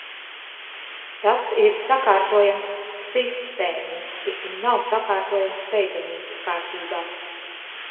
Tas ir sakārtojams sistēmiski un nav sakārtojams steidzamības kārtībā.